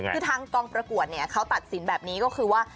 คือทางกองประกวดเนี่ยเขาตัดสินแบบนี้ก็คือว่า